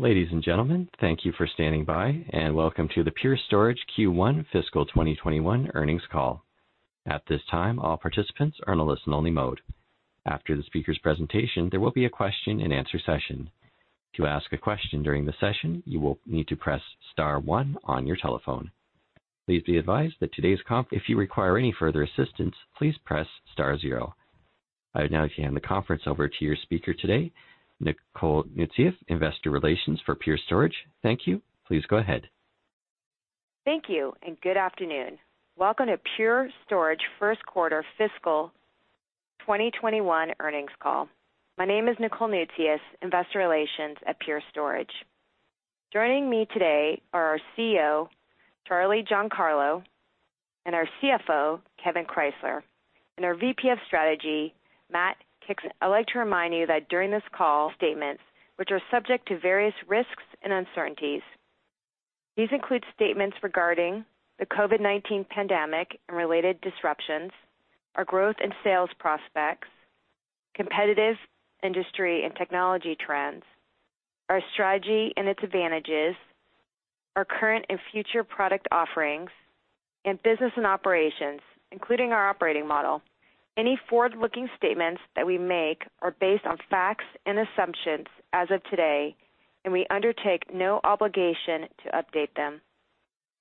Ladies and gentlemen, thank you for standing by. Welcome to the Pure Storage Q1 fiscal 2021 earnings call. At this time, all participants are in a listen only mode. After the speaker's presentation, there will be a question and answer session. To ask a question during the session, you will need to press star one on your telephone. If you require any further assistance, please press star zero. I would now hand the conference over to your speaker today, Nicole Noutsios, investor relations for Pure Storage. Thank you. Please go ahead. Thank you, and good afternoon. Welcome to Pure Storage first quarter fiscal 2021 earnings call. My name is Nicole Noutsios, investor relations at Pure Storage. Joining me today are our CEO, Charlie Giancarlo, and our CFO, Kevan Krysler, and our VP of strategy, Matt Kixmoeller. I'd like to remind you that during this call, statements which are subject to various risks and uncertainties. These include statements regarding the COVID-19 pandemic and related disruptions, our growth and sales prospects, competitive industry and technology trends, our strategy and its advantages, our current and future product offerings, and business and operations, including our operating model. Any forward-looking statements that we make are based on facts and assumptions as of today, and we undertake no obligation to update them.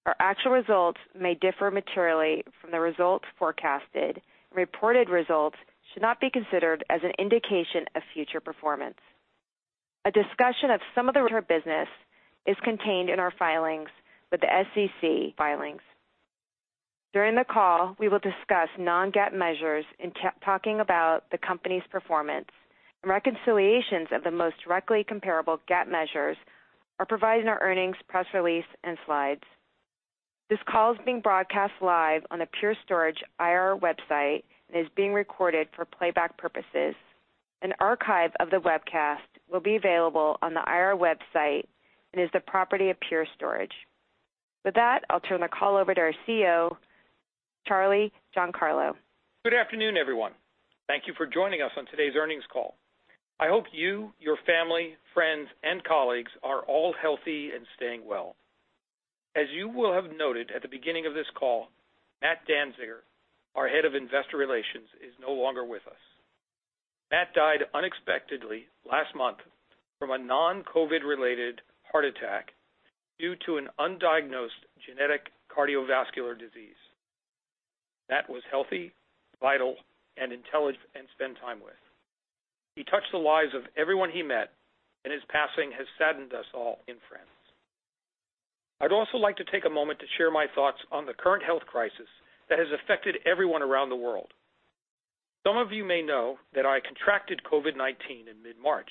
Our actual results may differ materially from the results forecasted. Reported results should not be considered as an indication of future performance. A discussion of some of the regard business is contained in our filings with the SEC filings. During the call, we will discuss non-GAAP measures in talking about the company's performance, and reconciliations of the most directly comparable GAAP measures are provided in our earnings press release and slides. This call is being broadcast live on the Pure Storage IR website and is being recorded for playback purposes. An archive of the webcast will be available on the IR website and is the property of Pure Storage. With that, I'll turn the call over to our CEO, Charlie Giancarlo. Good afternoon, everyone. Thank you for joining us on today's earnings call. I hope you, your family, friends, and colleagues are all healthy and staying well. As you will have noted at the beginning of this call, Matt Danziger, our head of investor relations, is no longer with us. Matt died unexpectedly last month from a non-COVID-related heart attack due to an undiagnosed genetic cardiovascular disease. Matt was healthy, vital, and intelligent, and spend time with. He touched the lives of everyone he met, and his passing has saddened us all and friends. I'd also like to take a moment to share my thoughts on the current health crisis that has affected everyone around the world. Some of you may know that I contracted COVID-19 in mid-March,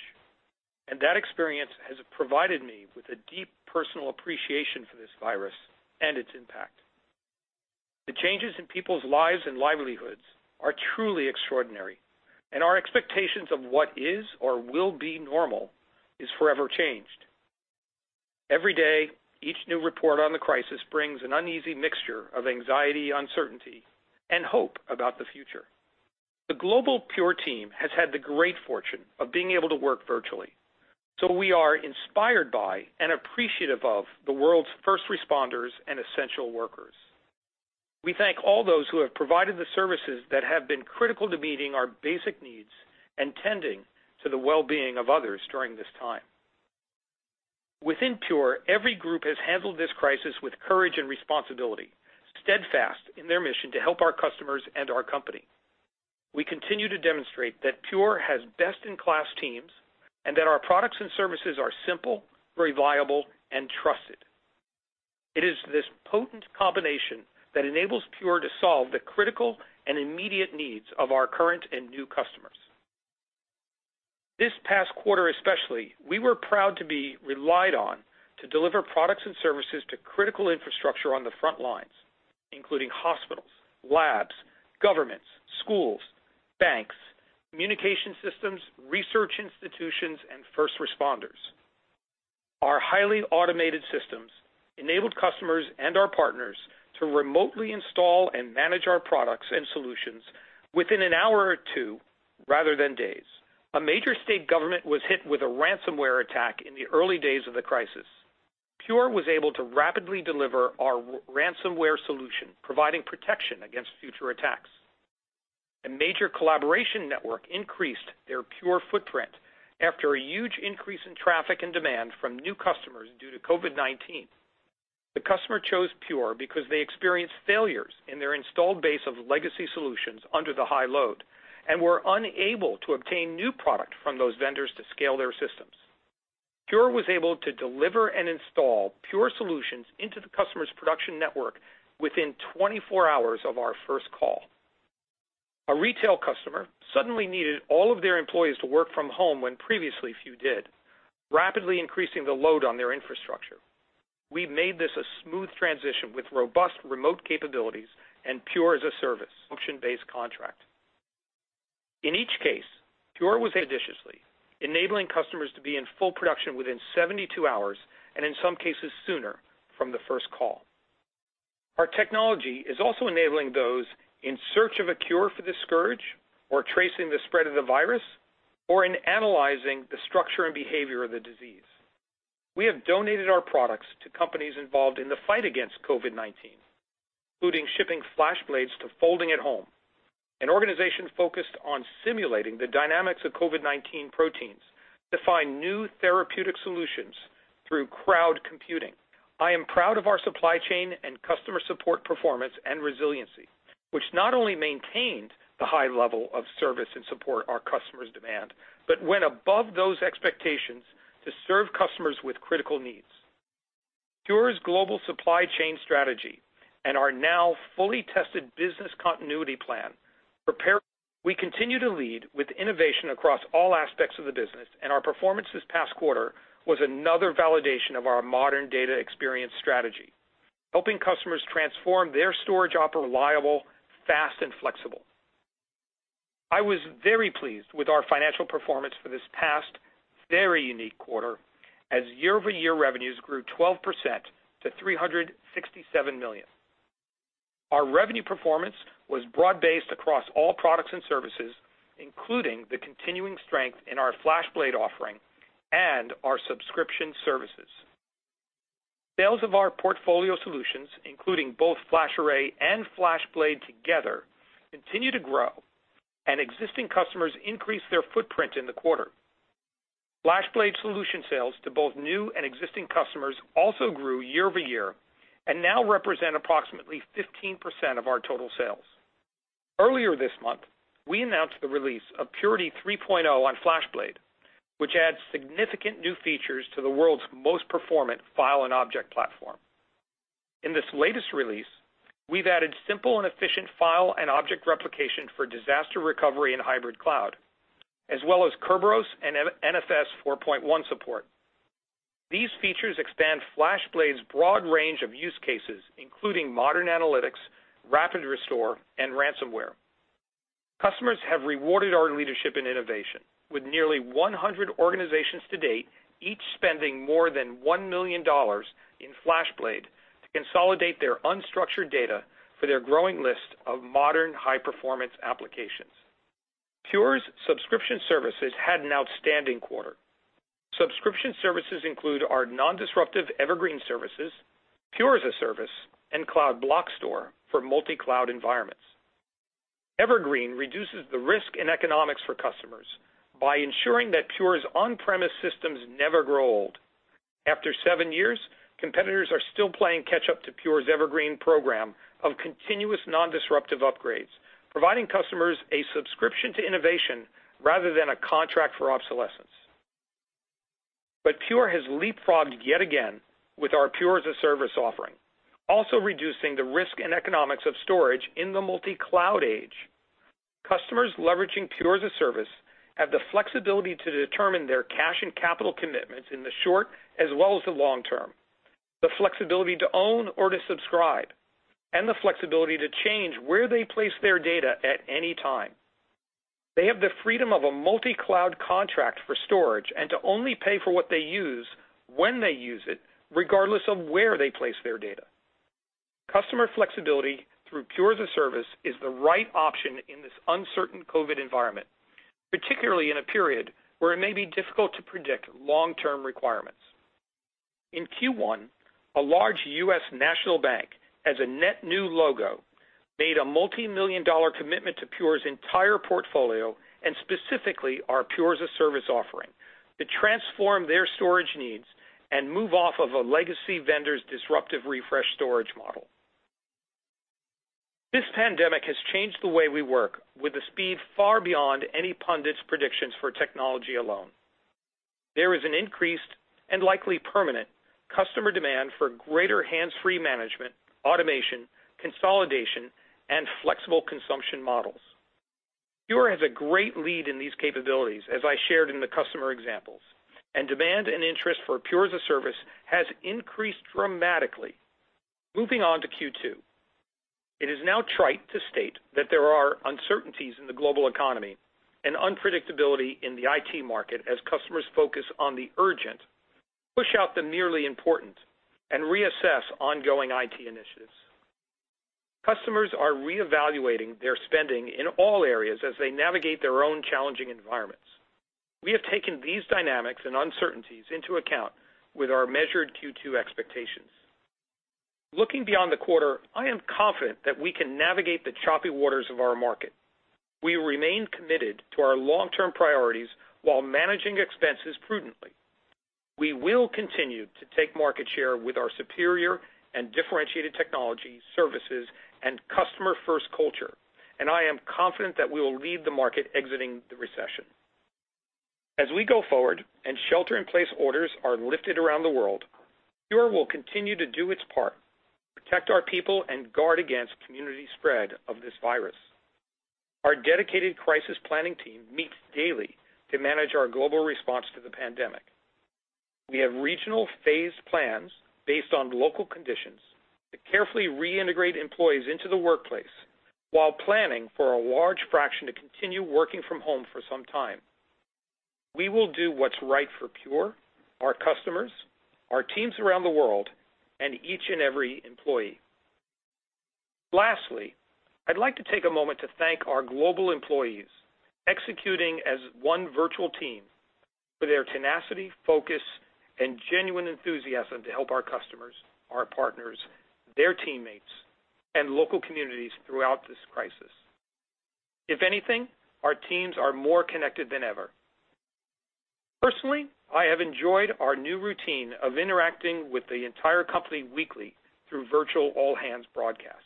and that experience has provided me with a deep personal appreciation for this virus and its impact. The changes in people's lives and livelihoods are truly extraordinary, and our expectations of what is or will be normal is forever changed. Every day, each new report on the crisis brings an uneasy mixture of anxiety, uncertainty, and hope about the future. The global Pure Storage team has had the great fortune of being able to work virtually, so we are inspired by and appreciative of the world's first responders and essential workers. We thank all those who have provided the services that have been critical to meeting our basic needs and tending to the well-being of others during this time. Within Pure Storage, every group has handled this crisis with courage and responsibility, steadfast in their mission to help our customers and our company. We continue to demonstrate that Pure Storage has best-in-class teams and that our products and services are simple, reliable, and trusted. It is this potent combination that enables Pure Storage to solve the critical and immediate needs of our current and new customers. This past quarter especially, we were proud to be relied on to deliver products and services to critical infrastructure on the front lines, including hospitals, labs, governments, schools, banks, communication systems, research institutions, and first responders. Our highly automated systems enabled customers and our partners to remotely install and manage our products and solutions within an hour or two rather than days. A major state government was hit with a ransomware attack in the early days of the crisis. Pure Storage was able to rapidly deliver our ransomware solution, providing protection against future attacks. A major collaboration network increased their Pure Storage footprint after a huge increase in traffic and demand from new customers due to COVID-19. The customer chose Pure Storage because they experienced failures in their installed base of legacy solutions under the high load and were unable to obtain new product from those vendors to scale their systems. Pure Storage was able to deliver and install Pure Storage solutions into the customer's production network within 24 hours of our first call. A retail customer suddenly needed all of their employees to work from home when previously few did, rapidly increasing the load on their infrastructure. We made this a smooth transition with robust remote capabilities and Pure as-a-Service function-based contract. In each case, Pure Storage was additionally enabling customers to be in full production within 72 hours, and in some cases sooner, from the first call. Our technology is also enabling those in search of a cure for this scourge or tracing the spread of the virus, or in analyzing the structure and behavior of the disease. We have donated our products to companies involved in the fight against COVID-19, including shipping FlashBlades to Folding@Home, an organization focused on simulating the dynamics of COVID-19 proteins to find new therapeutic solutions through crowd computing. I am proud of our supply chain and customer support performance and resiliency, which not only maintained the high level of service and support our customers demand, but went above those expectations to serve customers with critical needs. Pure Storage's global supply chain strategy and our now fully tested business continuity plan. Prepare.... We continue to lead with innovation across all aspects of the business, and our performance this past quarter was another validation of our modern data experience strategy, helping customers transform their storage operations reliable, fast, and flexible. I was very pleased with our financial performance for this past very unique quarter as year-over-year revenues grew 12% to $367 million. Our revenue performance was broad-based across all products and services, including the continuing strength in our FlashBlade offering and our subscription services. Sales of our portfolio solutions, including both FlashArray and FlashBlade together, continue to grow, and existing customers increased their footprint in the quarter. FlashBlade solution sales to both new and existing customers also grew year-over-year and now represent approximately 15% of our total sales. Earlier this month, we announced the release of Purity 3.0 on FlashBlade, which adds significant new features to the world's most performant file and object platform. In this latest release, we've added simple and efficient file and object replication for disaster recovery and hybrid cloud, as well as Kerberos and NFSv4.1 support. These features expand FlashBlade's broad range of use cases, including modern analytics, rapid restore, and ransomware. Customers have rewarded our leadership and innovation with nearly 100 organizations to date, each spending more than $1 million in FlashBlade to consolidate their unstructured data for their growing list of modern high-performance applications. Pure Storage's subscription services had an outstanding quarter. Subscription services include our non-disruptive Evergreen services, Pure as-a-Service, and Cloud Block Store for multi-cloud environments. Evergreen reduces the risk and economics for customers by ensuring that Pure Storage's on-premise systems never grow old. After seven years, competitors are still playing catch up to Pure Storage's Evergreen program of continuous non-disruptive upgrades, providing customers a subscription to innovation rather than a contract for obsolescence. Pure Storage has leapfrogged yet again with our Pure as-a-Service offering, also reducing the risk and economics of storage in the multi-cloud age. Customers leveraging Pure as-a-Service have the flexibility to determine their cash and capital commitments in the short as well as the long term, the flexibility to own or to subscribe, and the flexibility to change where they place their data at any time. They have the freedom of a multi-cloud contract for storage and to only pay for what they use when they use it, regardless of where they place their data. Customer flexibility through Pure as-a-Service is the right option in this uncertain COVID-19 environment, particularly in a period where it may be difficult to predict long-term requirements. In Q1, a large U.S. national bank, as a net new logo, made a multi-million dollar commitment to Pure Storage's entire portfolio and specifically our Pure as-a-Service offering to transform their storage needs and move off of a legacy vendor's disruptive refresh storage model. This pandemic has changed the way we work with a speed far beyond any pundit's predictions for technology alone. There is an increased, and likely permanent, customer demand for greater hands-free management, automation, consolidation, and flexible consumption models. Pure Storage has a great lead in these capabilities, as I shared in the customer examples, and demand and interest for Pure as-a-Service has increased dramatically. Moving on to Q2. It is now trite to state that there are uncertainties in the global economy and unpredictability in the IT market as customers focus on the urgent, push out the merely important, and reassess ongoing IT initiatives. Customers are reevaluating their spending in all areas as they navigate their own challenging environments. We have taken these dynamics and uncertainties into account with our measured Q2 expectations. Looking beyond the quarter, I am confident that we can navigate the choppy waters of our market. We remain committed to our long-term priorities while managing expenses prudently. We will continue to take market share with our superior and differentiated technology, services, and customer-first culture. I am confident that we will lead the market exiting the recession. As we go forward and shelter-in-place orders are lifted around the world, Pure Storage will continue to do its part to protect our people and guard against community spread of this virus. Our dedicated crisis planning team meets daily to manage our global response to the pandemic. We have regional phased plans based on local conditions to carefully reintegrate employees into the workplace while planning for a large fraction to continue working from home for some time. We will do what's right for Pure Storage, our customers, our teams around the world, and each and every employee. Lastly, I'd like to take a moment to thank our global employees, executing as one virtual team, for their tenacity, focus, and genuine enthusiasm to help our customers, our partners, their teammates, and local communities throughout this crisis. If anything, our teams are more connected than ever. Personally, I have enjoyed our new routine of interacting with the entire company weekly through virtual all-hands broadcasts.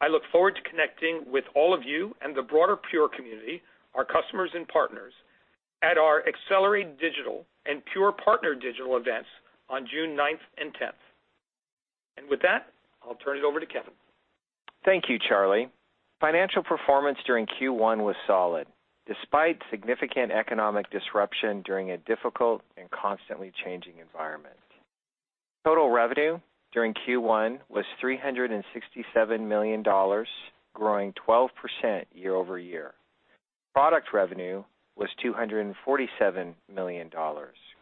I look forward to connecting with all of you and the broader Pure Storage community, our customers and partners, at our Pure//Accelerate Digital and Pure//Partner Digital events on June 9th and 10th. With that, I'll turn it over to Kevan. Thank you, Charlie. Financial performance during Q1 was solid, despite significant economic disruption during a difficult and constantly changing environment. Total revenue during Q1 was $367 million, growing 12% year-over-year. Product revenue was $247 million,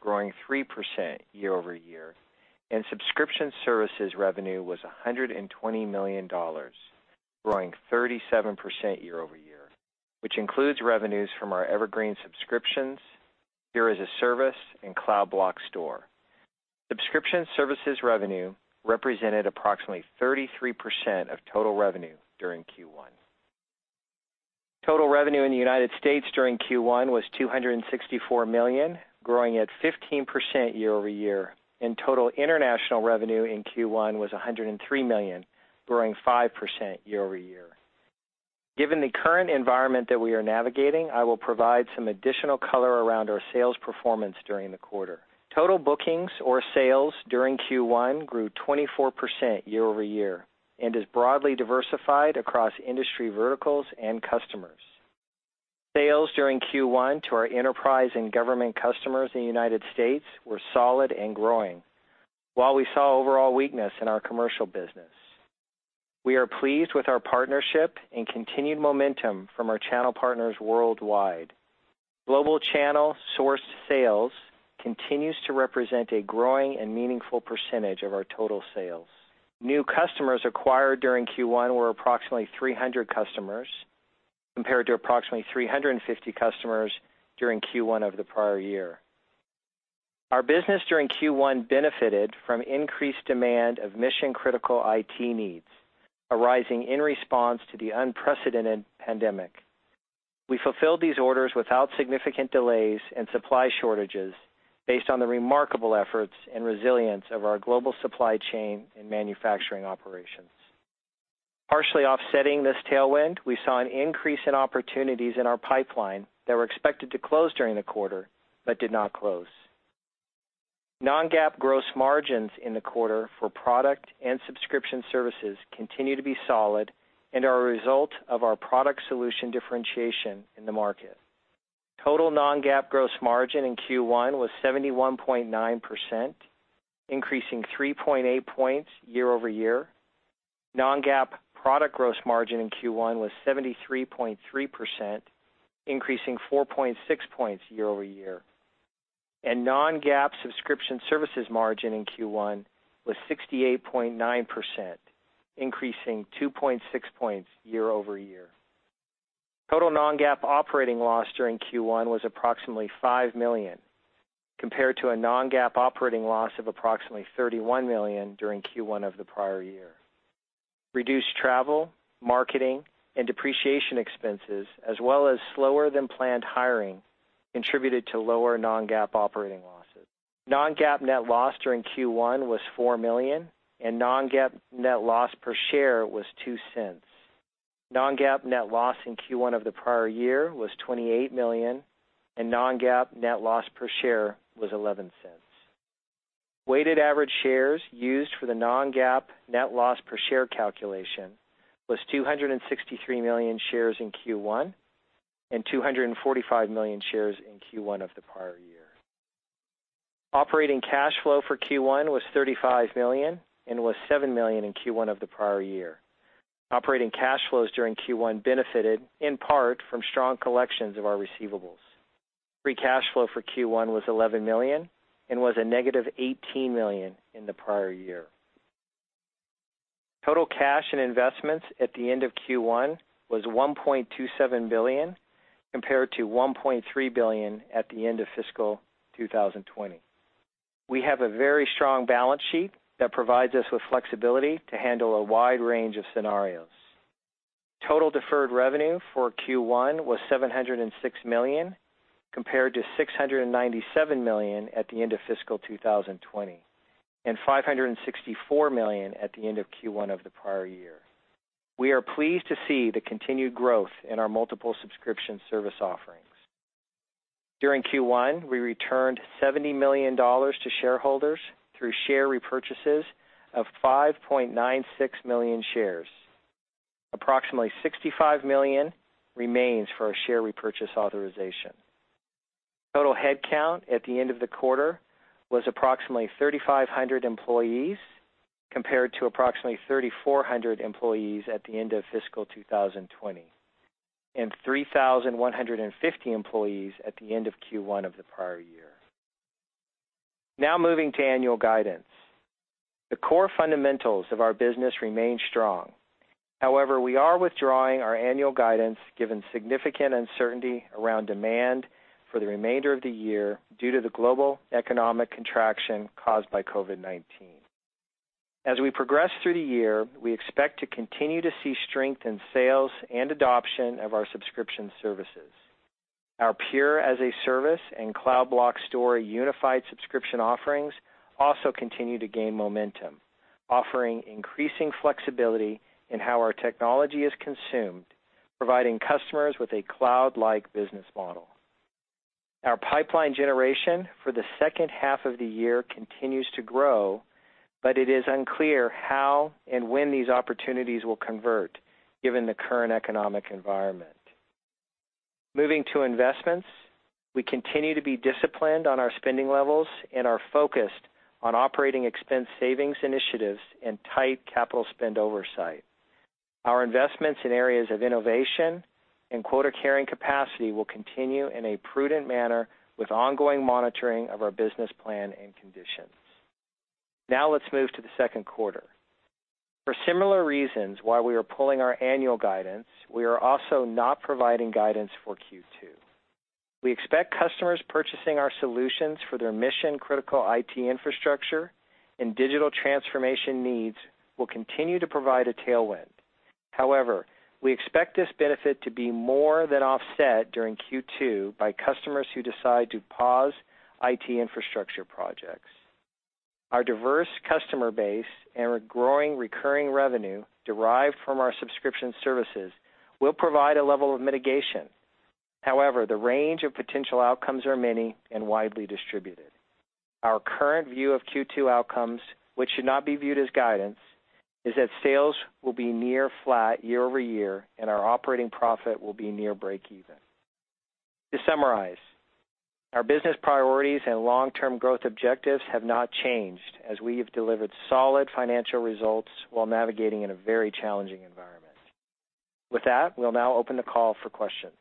growing 3% year-over-year. Subscription services revenue was $120 million, growing 37% year-over-year, which includes revenues from our Evergreen subscriptions, Pure as-a-Service, and Cloud Block Store. Subscription services revenue represented approximately 33% of total revenue during Q1. Total revenue in the United States during Q1 was $264 million, growing at 15% year-over-year. Total international revenue in Q1 was $103 million, growing 5% year-over-year. Given the current environment that we are navigating, I will provide some additional color around our sales performance during the quarter. Total bookings or sales during Q1 grew 24% year-over-year and is broadly diversified across industry verticals and customers. Sales during Q1 to our enterprise and government customers in the United States were solid and growing, while we saw overall weakness in our commercial business. We are pleased with our partnership and continued momentum from our channel partners worldwide. Global channel source sales continues to represent a growing and meaningful percentage of our total sales. New customers acquired during Q1 were approximately 300 customers, compared to approximately 350 customers during Q1 of the prior year. Our business during Q1 benefited from increased demand of mission-critical IT needs arising in response to the unprecedented pandemic. We fulfilled these orders without significant delays and supply shortages based on the remarkable efforts and resilience of our global supply chain and manufacturing operations. Partially offsetting this tailwind, we saw an increase in opportunities in our pipeline that were expected to close during the quarter but did not close. Non-GAAP gross margins in the quarter for product and subscription services continue to be solid and are a result of our product solution differentiation in the market. Total non-GAAP gross margin in Q1 was 71.9%, increasing 3.8 points year-over-year. Non-GAAP product gross margin in Q1 was 73.3%, increasing 4.6 points year-over-year. Non-GAAP subscription services margin in Q1 was 68.9%, increasing 2.6 points year-over-year. Total non-GAAP operating loss during Q1 was approximately $5 million, compared to a non-GAAP operating loss of approximately $31 million during Q1 of the prior year. Reduced travel, marketing, and depreciation expenses, as well as slower than planned hiring, contributed to lower non-GAAP operating losses. Non-GAAP net loss during Q1 was $4 million, and non-GAAP net loss per share was $0.02. Non-GAAP net loss in Q1 of the prior year was $28 million, and non-GAAP net loss per share was $0.11. Weighted average shares used for the non-GAAP net loss per share calculation was 263 million shares in Q1 and 245 million shares in Q1 of the prior year. Operating cash flow for Q1 was $35 million and was $7 million in Q1 of the prior year. Operating cash flows during Q1 benefited in part from strong collections of our receivables. Free cash flow for Q1 was $11 million and was a negative $18 million in the prior year. Total cash and investments at the end of Q1 was $1.27 billion, compared to $1.3 billion at the end of fiscal 2020. We have a very strong balance sheet that provides us with flexibility to handle a wide range of scenarios. Total deferred revenue for Q1 was $706 million, compared to $697 million at the end of fiscal 2020 and $564 million at the end of Q1 of the prior year. We are pleased to see the continued growth in our multiple subscription service offerings. During Q1, we returned $70 million to shareholders through share repurchases of 5.96 million shares. Approximately $65 million remains for our share repurchase authorization. Total headcount at the end of the quarter was approximately 3,500 employees. Compared to approximately 3,400 employees at the end of fiscal 2020, and 3,150 employees at the end of Q1 of the prior year. Moving to annual guidance. The core fundamentals of our business remain strong. However, we are withdrawing our annual guidance given significant uncertainty around demand for the remainder of the year due to the global economic contraction caused by COVID-19. As we progress through the year, we expect to continue to see strength in sales and adoption of our subscription services. Our Pure as-a-Service and Cloud Block Store unified subscription offerings also continue to gain momentum, offering increasing flexibility in how our technology is consumed, providing customers with a cloud-like business model. Our pipeline generation for the second half of the year continues to grow, but it is unclear how and when these opportunities will convert given the current economic environment. Moving to investments, we continue to be disciplined on our spending levels and are focused on operating expense savings initiatives and tight capital spend oversight. Our investments in areas of innovation and quota-carrying capacity will continue in a prudent manner with ongoing monitoring of our business plan and conditions. Now let's move to the second quarter. For similar reasons why we are pulling our annual guidance, we are also not providing guidance for Q2. We expect customers purchasing our solutions for their mission-critical IT infrastructure and digital transformation needs will continue to provide a tailwind. However, we expect this benefit to be more than offset during Q2 by customers who decide to pause IT infrastructure projects. Our diverse customer base and our growing recurring revenue derived from our subscription services will provide a level of mitigation. However, the range of potential outcomes are many and widely distributed. Our current view of Q2 outcomes, which should not be viewed as guidance, is that sales will be near flat year-over-year, and our operating profit will be near breakeven. To summarize, our business priorities and long-term growth objectives have not changed as we have delivered solid financial results while navigating in a very challenging environment. With that, we'll now open the call for questions.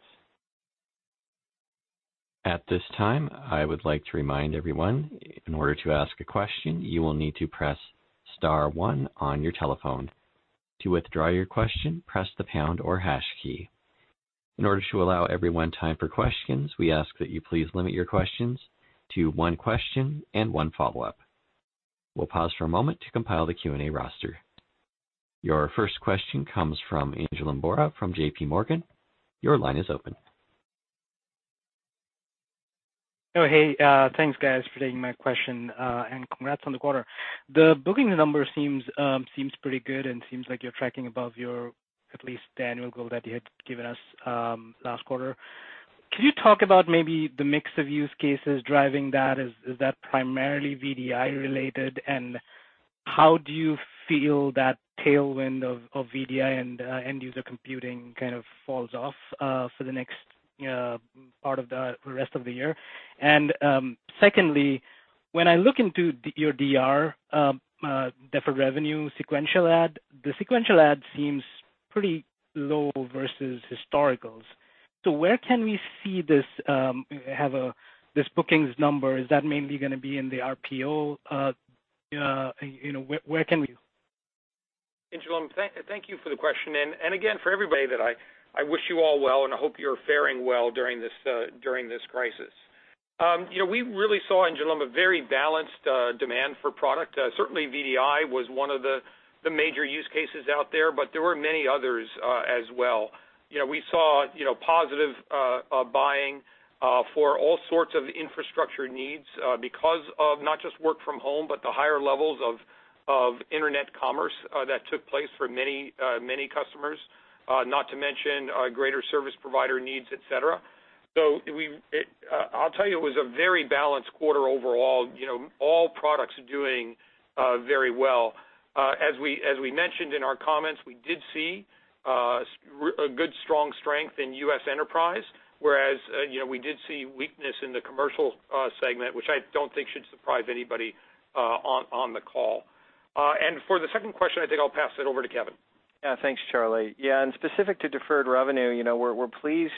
At this time, I would like to remind everyone, in order to ask a question, you will need to press star one on your telephone. To withdraw your question, press the pound or hash key. In order to allow everyone time for questions, we ask that you please limit your questions to one question and one follow-up. We'll pause for a moment to compile the Q&A roster. Your first question comes from Pinjalim Bora from JPMorgan. Your line is open. Oh, hey. Thanks, guys, for taking my question, and congrats on the quarter. The booking number seems pretty good and seems like you're tracking above your, at least, annual goal that you had given us last quarter. Can you talk about maybe the mix of use cases driving that? Is that primarily VDI related? How do you feel that tailwind of VDI and end user computing kind of falls off for the next part of the rest of the year? Secondly, when I look into your DR, deferred revenue sequential add, the sequential add seems pretty low versus historicals. Where can we see this bookings number? Is that mainly going to be in the RPO? Where can we? Pinjalim, thank you for the question. Again, for everybody, that I wish you all well, and I hope you're faring well during this crisis. We really saw, Pinjalim, a very balanced demand for product. Certainly VDI was one of the major use cases out there, but there were many others as well. We saw positive buying for all sorts of infrastructure needs because of not just work from home, but the higher levels of internet commerce that took place for many customers, not to mention greater service provider needs, et cetera. I'll tell you, it was a very balanced quarter overall. All products are doing very well. As we mentioned in our comments, we did see a good strong strength in U.S. enterprise, whereas we did see weakness in the commercial segment, which I don't think should surprise anybody on the call. For the second question, I think I'll pass it over to Kevan. Thanks, Charlie. Specific to deferred revenue, we're pleased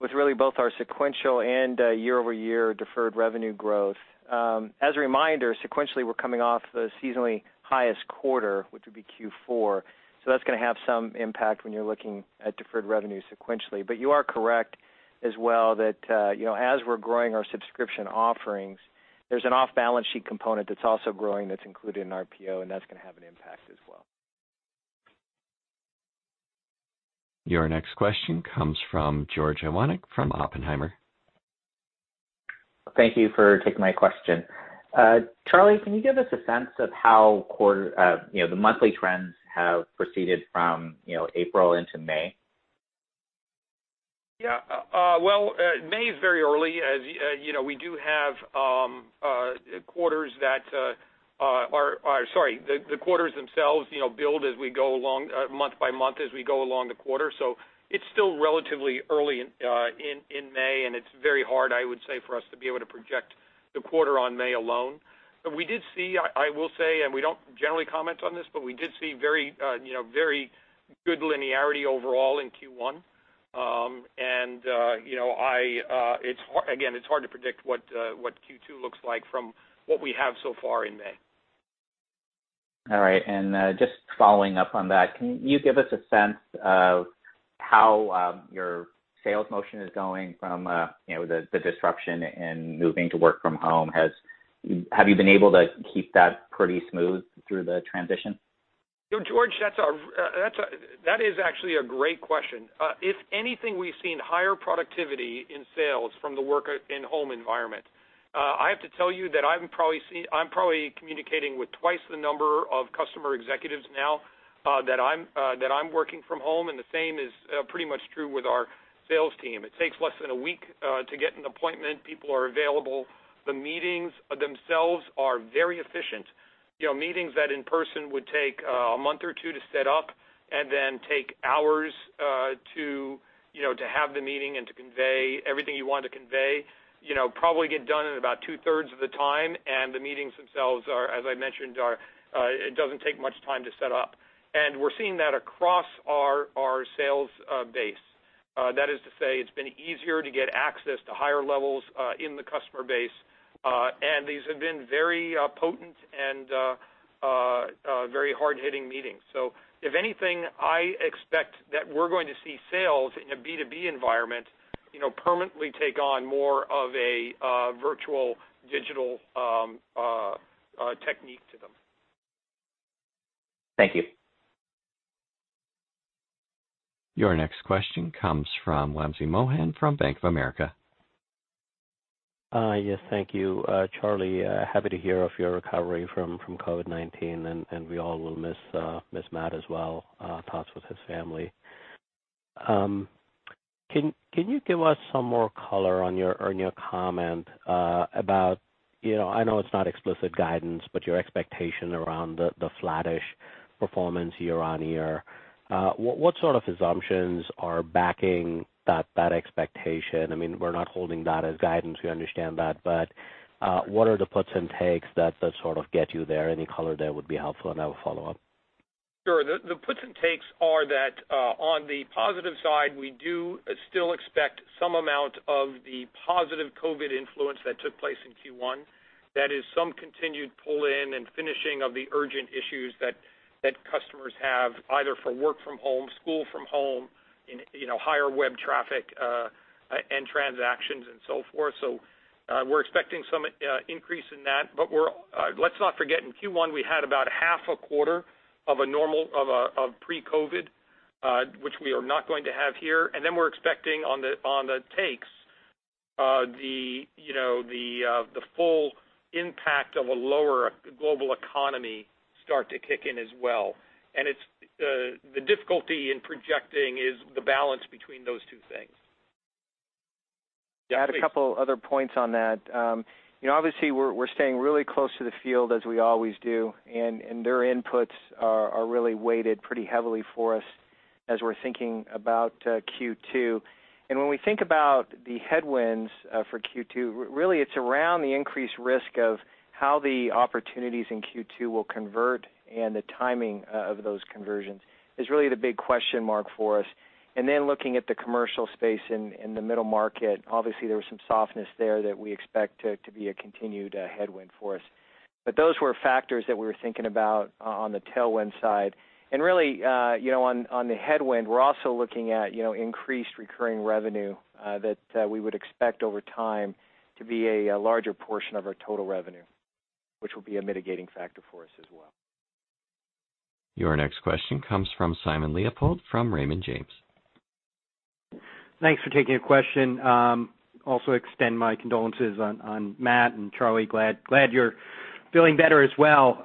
with really both our sequential and year-over-year deferred revenue growth. As a reminder, sequentially, we're coming off the seasonally highest quarter, which would be Q4. That's going to have some impact when you're looking at deferred revenue sequentially. You are correct as well that as we're growing our subscription offerings, there's an off-balance sheet component that's also growing that's included in RPO, and that's going to have an impact as well. Your next question comes from George Iwanyc from Oppenheimer. Thank you for taking my question. Charlie, can you give us a sense of how the monthly trends have proceeded from April into May? Yeah. Well, May is very early. The quarters themselves build as we go along, month by month as we go along the quarter. It's still relatively early in May, and it's very hard, I would say, for us to be able to project the quarter on May alone. We did see, I will say, and we don't generally comment on this, but we did see very good linearity overall in Q1. Again, it's hard to predict what Q2 looks like from what we have so far in May. All right. Just following up on that, can you give us a sense of how your sales motion is going from the disruption in moving to work from home? Have you been able to keep that pretty smooth through the transition? George, that is actually a great question. If anything, we've seen higher productivity in sales from the work-in-home environment. I have to tell you that I'm probably communicating with twice the number of customer executives now that I'm working from home, the same is pretty much true with our sales team. It takes less than a week to get an appointment. People are available. The meetings themselves are very efficient. Meetings that in person would take a month or two to set up and then take hours to have the meeting and to convey everything you want to convey, probably get done in about 2/3 of the time, and the meetings themselves are, as I mentioned, it doesn't take much time to set up. We're seeing that across our sales base. That is to say, it's been easier to get access to higher levels in the customer base. These have been very potent and very hard-hitting meetings. If anything, I expect that we're going to see sales in a B2B environment permanently take on more of a virtual digital technique to them. Thank you. Your next question comes from Wamsi Mohan from Bank of America. Yes, thank you. Charlie, happy to hear of your recovery from COVID-19, and we all will miss Matt as well. Thoughts with his family. Can you give us some more color on your comment about, I know it's not explicit guidance, but your expectation around the flattish performance year-on-year. What sort of assumptions are backing that expectation? I mean, we're not holding that as guidance, we understand that, but what are the puts and takes that sort of get you there? Any color there would be helpful, and I will follow up. Sure. The puts and takes are that, on the positive side, we do still expect some amount of the positive COVID influence that took place in Q1. That is some continued pull-in and finishing of the urgent issues that customers have either for work from home, school from home, higher web traffic, and transactions and so forth. We're expecting some increase in that. Let's not forget, in Q1, we had about a half a quarter of pre-COVID, which we are not going to have here. We're expecting on the takes, the full impact of a lower global economy start to kick in as well. The difficulty in projecting is the balance between those two things. Yeah. Yeah, please. To add a couple other points on that. Obviously, we're staying really close to the field as we always do, their inputs are really weighted pretty heavily for us as we're thinking about Q2. When we think about the headwinds for Q2, really, it's around the increased risk of how the opportunities in Q2 will convert and the timing of those conversions is really the big question mark for us. Looking at the commercial space in the middle market, obviously, there was some softness there that we expect to be a continued headwind for us. Those were factors that we were thinking about on the tailwind side. Really, on the headwind, we're also looking at increased recurring revenue that we would expect over time to be a larger portion of our total revenue, which will be a mitigating factor for us as well. Your next question comes from Simon Leopold from Raymond James. Thanks for taking the question. Also extend my condolences on Matt, and Charlie, glad you're feeling better as well.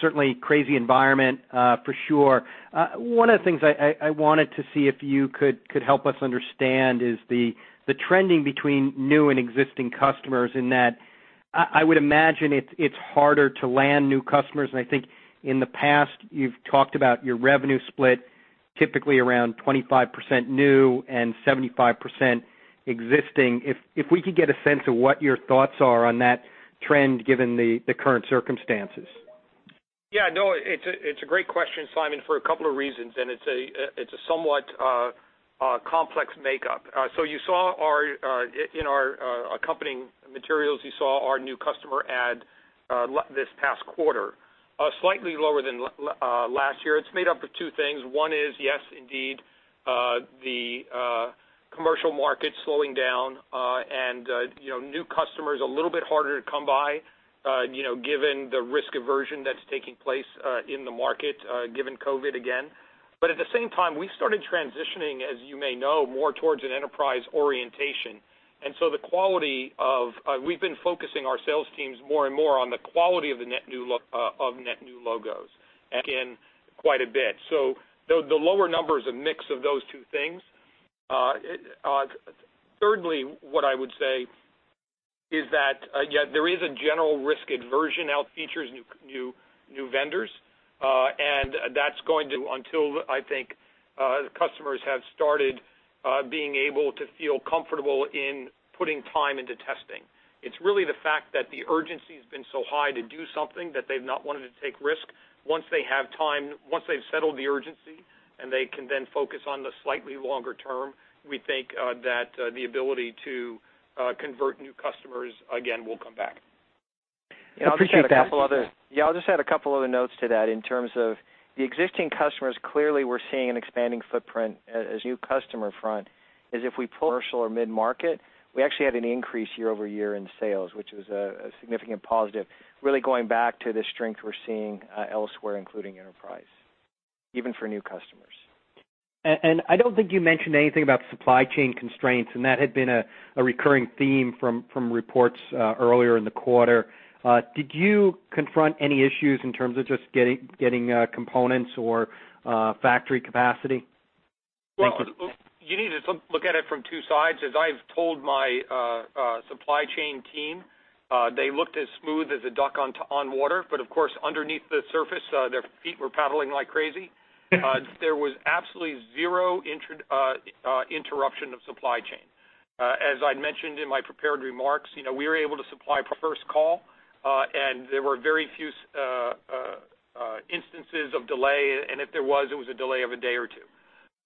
Certainly crazy environment for sure. One of the things I wanted to see if you could help us understand is the trending between new and existing customers in that I would imagine it's harder to land new customers, and I think in the past you've talked about your revenue split typically around 25% new and 75% existing. If we could get a sense of what your thoughts are on that trend given the current circumstances. Yeah, no, it's a great question, Simon, for a couple of reasons. It's a somewhat complex makeup. In our accompanying materials, you saw our new customer add this past quarter. Slightly lower than last year. It's made up of two things. One is, yes, indeed, the commercial market slowing down and new customers a little bit harder to come by given the risk aversion that's taking place in the market, given COVID again. At the same time, we started transitioning, as you may know, more towards an enterprise orientation. We've been focusing our sales teams more and more on the quality of the net new logos again quite a bit. The lower number is a mix of those two things. Thirdly, what I would say is that, yeah, there is a general risk aversion for new vendors. That's going to until, I think, the customers have started being able to feel comfortable in putting time into testing. It's really the fact that the urgency has been so high to do something that they've not wanted to take risk. Once they've settled the urgency, and they can then focus on the slightly longer term, we think that the ability to convert new customers again will come back. I appreciate that. Yeah, I'll just add two other notes to that in terms of the existing customers. Clearly, we're seeing an expanding footprint as new customer front is if we pull commercial or mid-market, we actually had an increase year-over-year in sales, which was a significant positive, really going back to the strength we're seeing elsewhere, including enterprise, even for new customers. I don't think you mentioned anything about supply chain constraints, and that had been a recurring theme from reports earlier in the quarter. Did you confront any issues in terms of just getting components or factory capacity? You need to look at it from two sides. As I've told my supply chain team, they looked as smooth as a duck on water, but of course, underneath the surface their feet were paddling like crazy. There was absolutely zero interruption of supply chain. As I mentioned in my prepared remarks, we were able to supply first call, and there were very few instances of delay, and if there was, it was a delay of a day or two.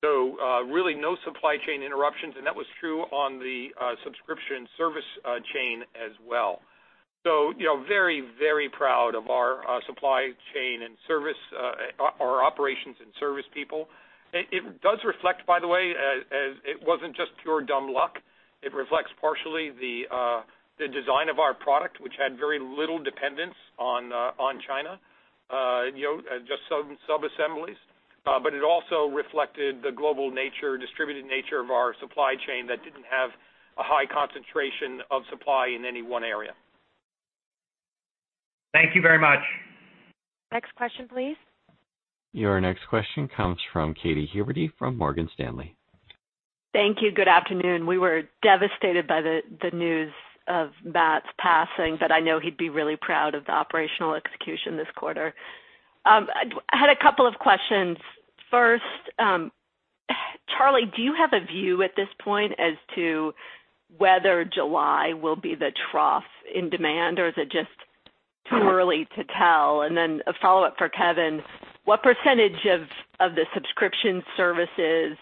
Really no supply chain interruptions, and that was true on the subscription service chain as well. Very proud of our supply chain and our operations and service people. It does reflect, by the way, it wasn't just pure dumb luck. It reflects partially the design of our product, which had very little dependence on China, just sub-assemblies. It also reflected the global nature, distributed nature of our supply chain that didn't have a high concentration of supply in any one area. Thank you very much. Next question, please. Your next question comes from Katy Huberty from Morgan Stanley. Thank you. Good afternoon. We were devastated by the news of Matt's passing, but I know he'd be really proud of the operational execution this quarter. I had a couple of questions. First, Charlie, do you have a view at this point as to whether July will be the trough in demand, or is it just too early to tell? A follow-up for Kevan, what percentage of the subscription services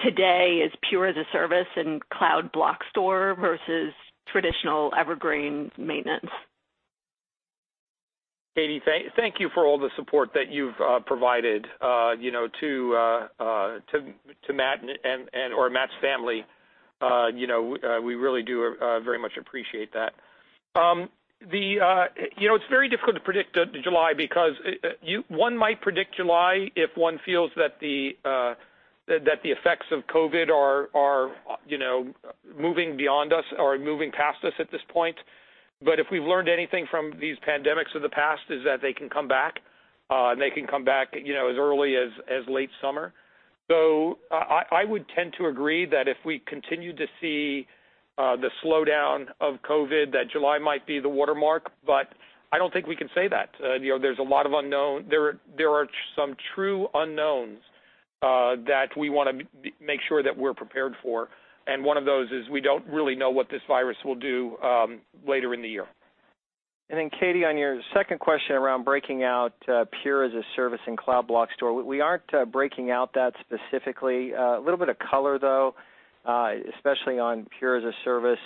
today is Pure as-a-Service and Cloud Block Store versus traditional Evergreen maintenance? Katy, thank you for all the support that you've provided to Matt or Matt's family. We really do very much appreciate that. It's very difficult to predict July because one might predict July if one feels that the effects of COVID are moving beyond us or moving past us at this point. If we've learned anything from these pandemics of the past is that they can come back, and they can come back as early as late summer. I would tend to agree that if we continue to see the slowdown of COVID, that July might be the watermark, but I don't think we can say that. There are some true unknowns that we want to make sure that we're prepared for, and one of those is we don't really know what this virus will do later in the year. Katy, on your second question around breaking out Pure as-a-Service and Cloud Block Store, we aren't breaking out that specifically. A little bit of color, though, especially on Pure as-a-Service.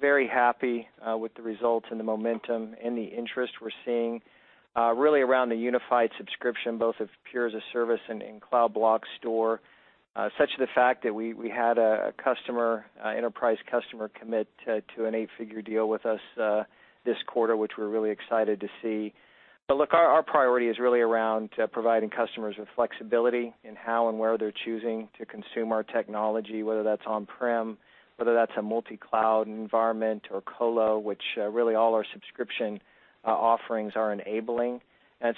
Very happy with the results and the momentum and the interest we're seeing really around the unified subscription, both of Pure as-a-Service and in Cloud Block Store. Such the fact that we had an enterprise customer commit to an $8-figure deal with us this quarter, which we're really excited to see. Look, our priority is really around providing customers with flexibility in how and where they're choosing to consume our technology, whether that's on-prem, whether that's a multi-cloud environment or colo, which really all our subscription offerings are enabling.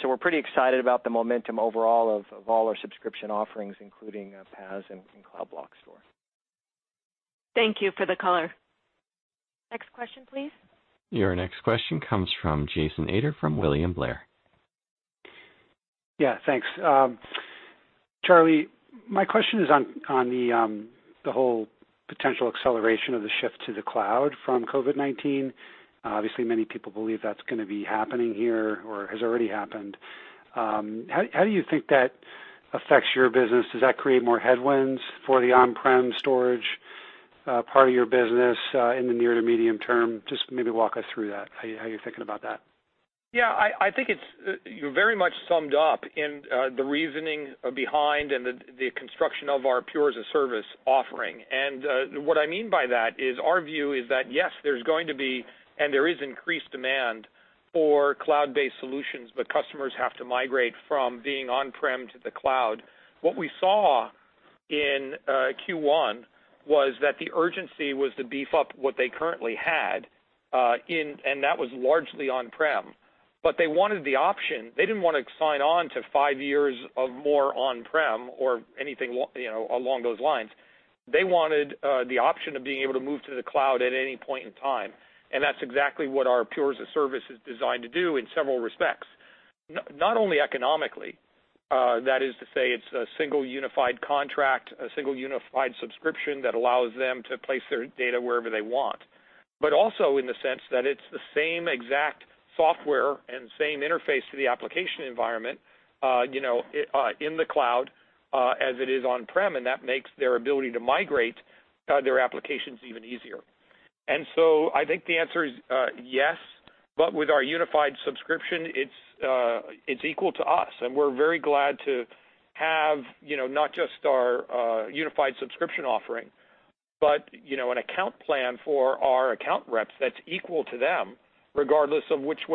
So we're pretty excited about the momentum overall of all our subscription offerings, including Pure as-a-Service and Cloud Block Store. Thank you for the color. Next question, please. Your next question comes from Jason Ader from William Blair. Yeah, thanks. Charlie, my question is on the whole potential acceleration of the shift to the cloud from COVID-19. Obviously, many people believe that's going to be happening here or has already happened. How do you think that affects your business? Does that create more headwinds for the on-prem storage part of your business in the near to medium term? Just maybe walk us through that, how you're thinking about that. Yeah, I think you very much summed up in the reasoning behind and the construction of our Pure as-a-Service offering. What I mean by that is our view is that, yes, there's going to be and there is increased demand for cloud-based solutions, but customers have to migrate from being on-prem to the cloud. What we saw in Q1 was that the urgency was to beef up what they currently had, and that was largely on-prem. They wanted the option. They didn't want to sign on to five years of more on-prem or anything along those lines. They wanted the option of being able to move to the cloud at any point in time, and that's exactly what our Pure as-a-Service is designed to do in several respects. Not only economically, that is to say it's a single unified contract, a single unified subscription that allows them to place their data wherever they want. Also in the sense that it's the same exact software and same interface to the application environment in the cloud as it is on-prem, and that makes their ability to migrate their applications even easier. I think the answer is yes, but with our unified subscription, it's equal to us, and we're very glad to have not just our unified subscription offering, but an account plan for our account reps that's equal to them, regardless of what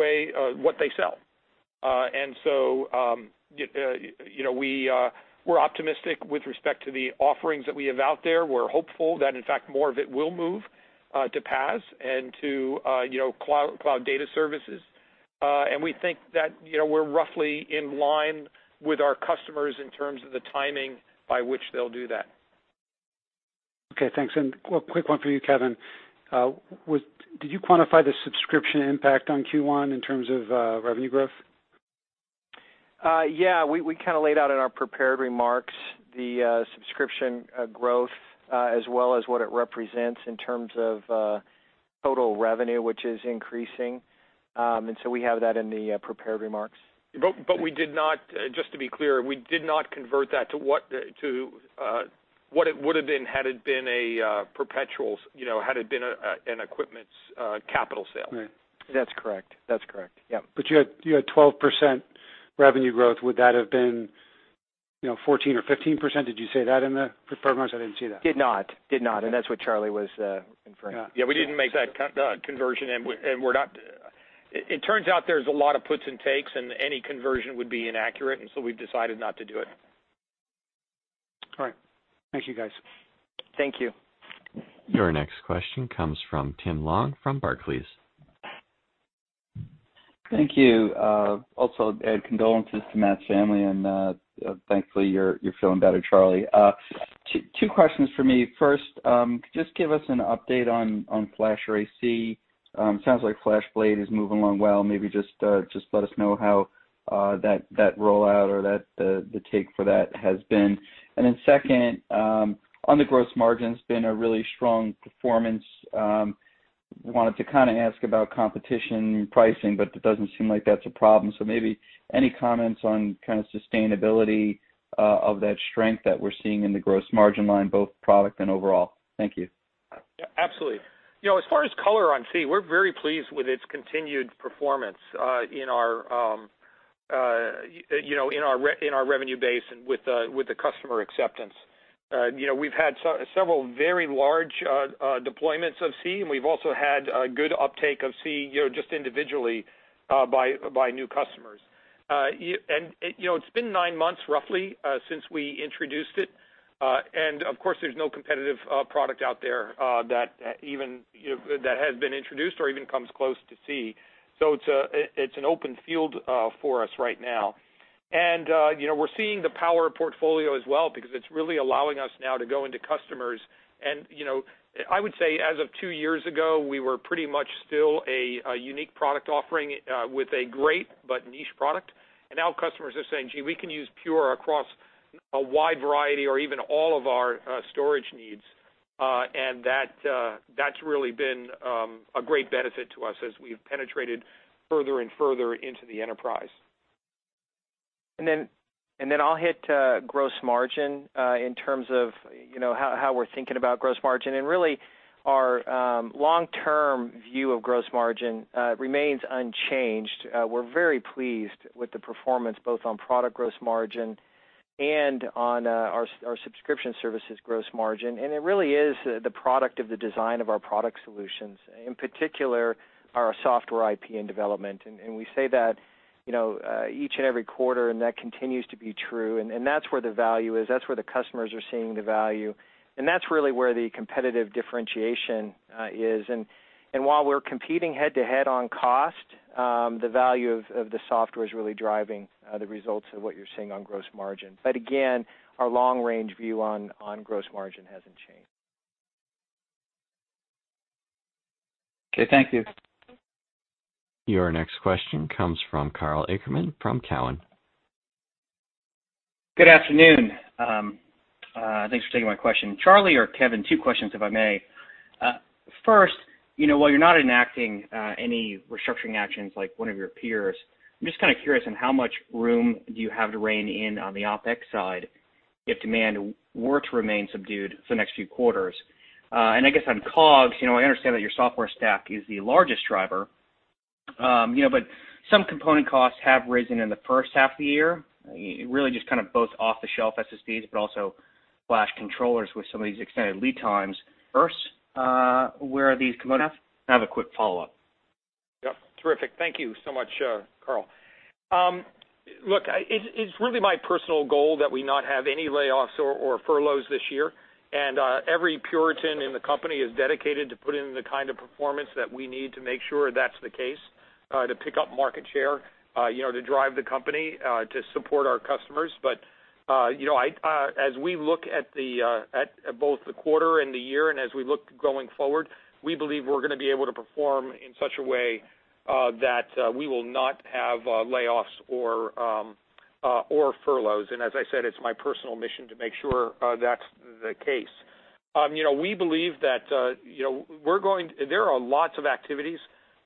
they sell. We're optimistic with respect to the offerings that we have out there. We're hopeful that, in fact, more of it will move to PAS and to cloud data services. We think that we're roughly in line with our customers in terms of the timing by which they'll do that. Okay, thanks. Quick one for you, Kevan. Did you quantify the subscription impact on Q1 in terms of revenue growth? Yeah, we laid out in our prepared remarks the subscription growth as well as what it represents in terms of total revenue, which is increasing. We have that in the prepared remarks. Just to be clear, we did not convert that to what it would've been had it been a perpetual, had it been an equipment capital sale. Right. That's correct. That's correct. Yep. You had 12% revenue growth. Would that have been 14% or 15%? Did you say that in the prepared remarks? I didn't see that. Did not. Did not, and that's what Charlie was inferring. Yeah, we didn't make that conversion, and it turns out there's a lot of puts and takes, and any conversion would be inaccurate, and so we've decided not to do it. All right. Thank you, guys. Thank you. Your next question comes from Tim Long from Barclays. Thank you. Also and condolences to Matt's family, and thankfully you're feeling better, Charlie. Two questions from me. First, just give us an update on FlashArray//C. Sounds like FlashBlade is moving along well. Maybe just let us know how that rollout or the take for that has been. Second, on the gross margin, it's been a really strong performance. Wanted to ask about competition pricing, it doesn't seem like that's a problem. Maybe any comments on sustainability of that strength that we're seeing in the gross margin line, both product and overall? Thank you. Absolutely. As far as color on C, we're very pleased with its continued performance in our revenue base and with the customer acceptance. We've had several very large deployments of C. We've also had a good uptake of C just individually by new customers. It's been nine months, roughly, since we introduced it. Of course, there's no competitive product out there that has been introduced or even comes close to C. It's an open field for us right now. We're seeing the power of portfolio as well because it's really allowing us now to go into customers. I would say as of two years ago, we were pretty much still a unique product offering with a great but niche product. Now customers are saying, "Gee, we can use Pure Storage across a wide variety or even all of our storage needs." That's really been a great benefit to us as we've penetrated further and further into the enterprise. Then I'll hit gross margin in terms of how we're thinking about gross margin. Really, our long-term view of gross margin remains unchanged. We're very pleased with the performance, both on product gross margin and on our subscription services gross margin. It really is the product of the design of our product solutions, in particular our software IP and development. We say that each and every quarter. That continues to be true. That's where the value is. That's where the customers are seeing the value. That's really where the competitive differentiation is. While we're competing head-to-head on cost, the value of the software is really driving the results of what you're seeing on gross margin. Again, our long-range view on gross margin hasn't changed. Okay, thank you. Your next question comes from Karl Ackerman from Cowen. Good afternoon. Thanks for taking my question. Charlie or Kevan, two questions if I may. While you're not enacting any restructuring actions like one of your peers, I'm just curious on how much room do you have to rein in on the OpEx side if demand were to remain subdued for the next few quarters? I guess on COGS, I understand that your software stack is the largest driver, but some component costs have risen in the first half of the year, really just both off-the-shelf SSDs, but also flash controllers with some of these extended lead times. Where are these component-- I have a quick follow-up. Yep, terrific. Thank you so much, Karl. It's really my personal goal that we not have any layoffs or furloughs this year. Every Puritan in the company is dedicated to putting in the kind of performance that we need to make sure that's the case. To pick up market share, to drive the company, to support our customers. As we look at both the quarter and the year, and as we look going forward, we believe we're going to be able to perform in such a way that we will not have layoffs or furloughs. As I said, it's my personal mission to make sure that's the case. We believe that there are lots of activities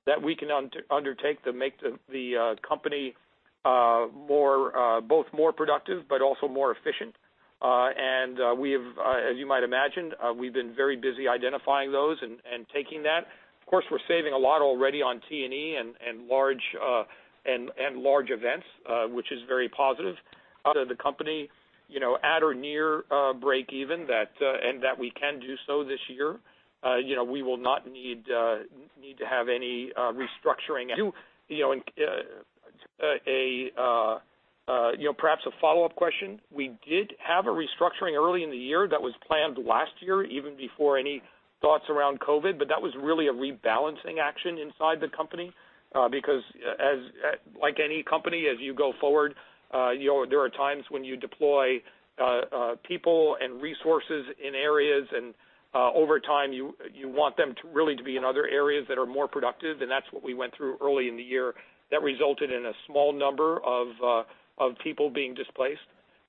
that we can undertake to make the company both more productive but also more efficient. As you might imagine, we've been very busy identifying those and taking that. Of course, we're saving a lot already on T&E and large events, which is very positive to the company at or near breakeven, and that we can do so this year. We will not need to have any restructuring. Perhaps a follow-up question, we did have a restructuring early in the year that was planned last year, even before any thoughts around COVID, but that was really a rebalancing action inside the company. Like any company, as you go forward, there are times when you deploy people and resources in areas, and over time you want them to really be in other areas that are more productive, and that's what we went through early in the year. That resulted in a small number of people being displaced.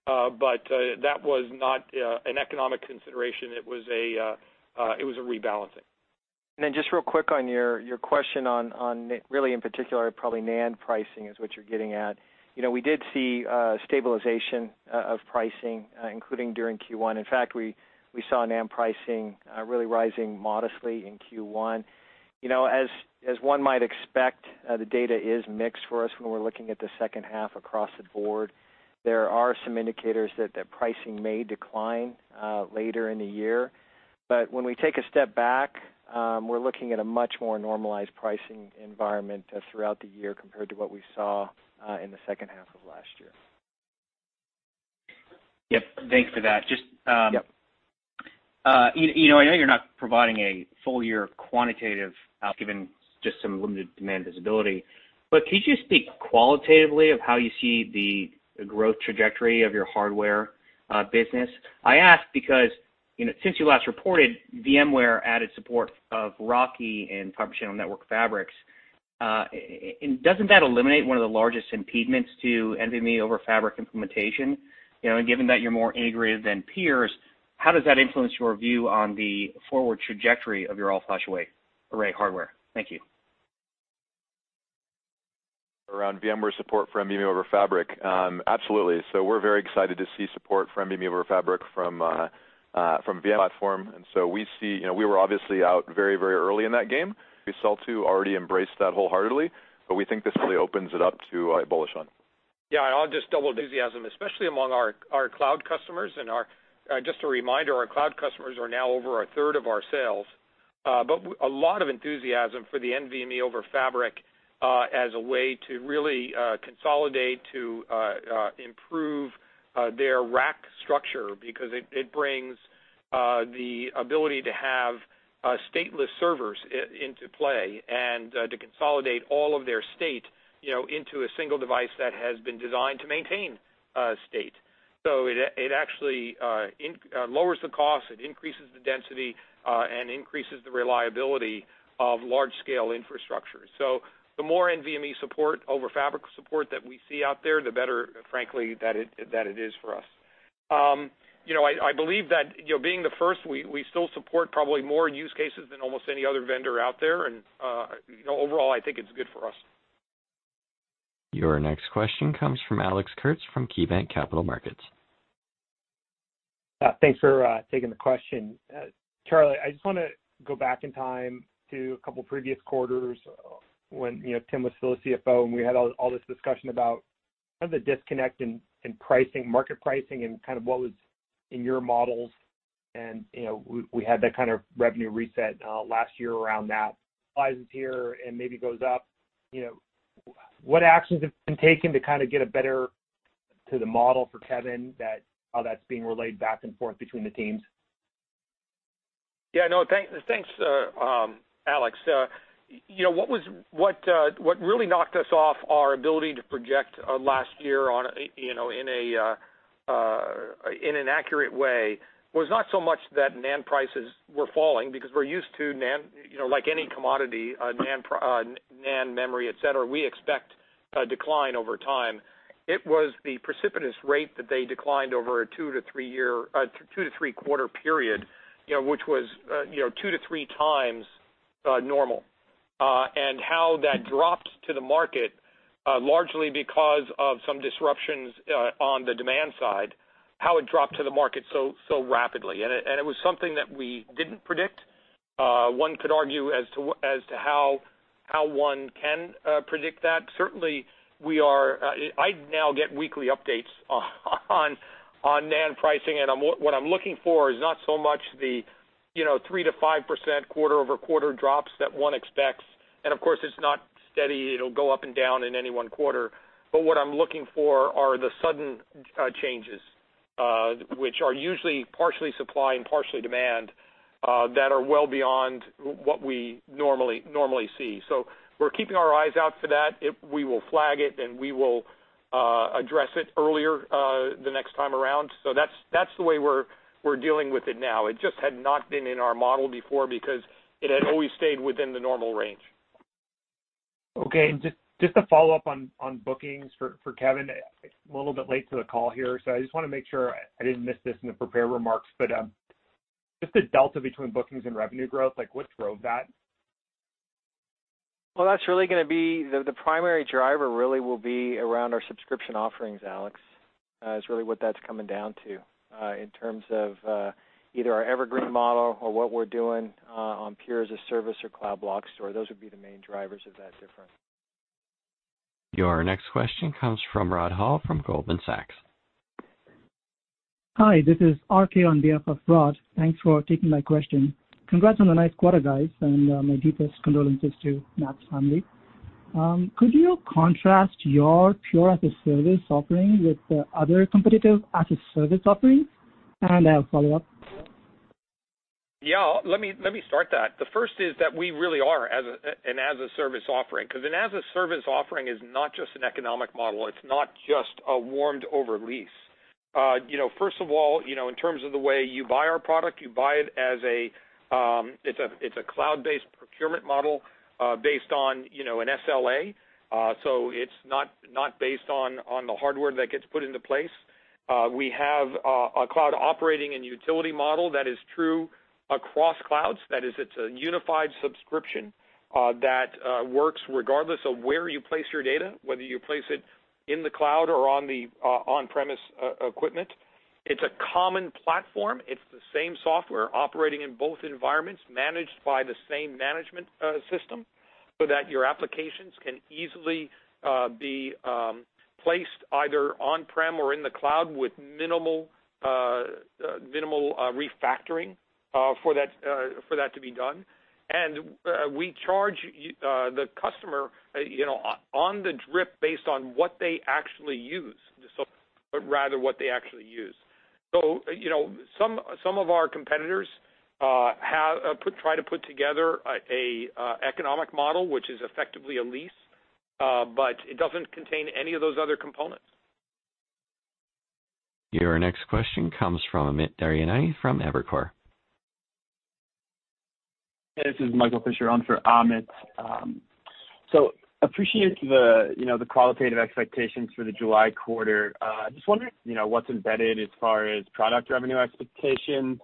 That was not an economic consideration. It was a rebalancing. Just real quick on your question on really in particular, probably NAND pricing is what you're getting at. We did see stabilization of pricing, including during Q1. In fact, we saw NAND pricing really rising modestly in Q1. As one might expect, the data is mixed for us when we're looking at the second half across the board. There are some indicators that pricing may decline later in the year. When we take a step back, we're looking at a much more normalized pricing environment throughout the year compared to what we saw in the second half of last year. Yep, thanks for that. Yep. I know you're not providing a full-year quantitative given just some limited demand visibility, could you speak qualitatively of how you see the growth trajectory of your hardware business? I ask because, since you last reported, VMware added support of RoCE and Fibre Channel network fabrics. Doesn't that eliminate one of the largest impediments to NVMe over Fabrics implementation? Given that you're more integrated than peers, how does that influence your view on the forward trajectory of your all-flash array hardware? Thank you. Around VMware support for NVMe over Fabrics. Absolutely. We're very excited to see support for NVMe over Fabrics from VMware platform. We were obviously out very early in that game. We saw it already embrace that wholeheartedly, but we think this really opens it up to bullish on. Yeah, I'll just double the enthusiasm, especially among our cloud customers and just a reminder, our cloud customers are now over a third of our sales. A lot of enthusiasm for the NVMe over Fabrics as a way to really consolidate, to improve their rack structure, because it brings the ability to have stateless servers into play and to consolidate all of their state into a one device that has been designed to maintain state. It actually lowers the cost, it increases the density, and increases the reliability of large-scale infrastructure. The more NVMe over Fabrics support that we see out there, the better, frankly, that it is for us. I believe that being the first, we still support probably more use cases than almost any other vendor out there, and overall, I think it's good for us. Your next question comes from Alex Kurtz from KeyBanc Capital Markets. Thanks for taking the question. Charlie, I just want to go back in time to a couple previous quarters when Tim was still the CFO. We had all this discussion about the disconnect in market pricing and what was in your models, and we had that kind of revenue reset last year around that. What actions have been taken to get a better to the model for Kevan that all that's being relayed back and forth between the teams? Yeah. No, thanks Alex. What really knocked us off our ability to project last year in an accurate way was not so much that NAND prices were falling, because we're used to NAND like any commodity, NAND memory, et cetera, we expect a decline over time. It was the precipitous rate that they declined over a two to three-quarter period, which was two to three times normal. How that dropped to the market, largely because of some disruptions on the demand side, how it dropped to the market so rapidly. It was something that we didn't predict. One could argue as to how one can predict that. Certainly, I now get weekly updates on NAND pricing. What I'm looking for is not so much the 3%-5% quarter-over-quarter drops that one expects. Of course it's not steady, it'll go up and down in any one quarter. What I'm looking for are the sudden changes. Which are usually partially supply and partially demand, that are well beyond what we normally see. We're keeping our eyes out for that. If we will flag it, we will address it earlier the next time around. That's the way we're dealing with it now. It just had not been in our model before because it had always stayed within the normal range. Okay. Just to follow up on bookings for Kevan, I'm a little bit late to the call here, so I just want to make sure I didn't miss this in the prepared remarks, but just the delta between bookings and revenue growth, what drove that? Well, the primary driver really will be around our subscription offerings, Alex. Is really what that's coming down to in terms of either our Evergreen model or what we're doing on Pure as-a-Service or Cloud Block Store. Those would be the main drivers of that difference. Your next question comes from Rod Hall from Goldman Sachs. Hi, this is RK on behalf of Rod. Thanks for taking my question. Congrats on the nice quarter, guys, and my deepest condolences to Matt's family. Could you contrast your Pure as-a-Service offering with other competitive as a service offerings? I'll follow up. Let me start that. The first is that we really are an as a service offering, because an as a service offering is not just an economic model. It's not just a warmed-over lease. First of all, in terms of the way you buy our product, you buy it as a cloud-based procurement model based on an SLA. It's not based on the hardware that gets put into place. We have a cloud operating and utility model that is true across clouds. That is, it's a unified subscription that works regardless of where you place your data, whether you place it in the cloud or on the on-premise equipment. It's a common platform. It's the same software operating in both environments, managed by the same management system, so that your applications can easily be placed either on-prem or in the cloud with minimal refactoring for that to be done. We charge the customer on the drip based on what they actually use. Some of our competitors try to put together an economic model, which is effectively a lease, but it doesn't contain any of those other components. Your next question comes from Amit Daryanani from Evercore. This is Michael Fischer on for Amit. Appreciate the qualitative expectations for the July quarter. Just wondering what's embedded as far as product revenue expectation.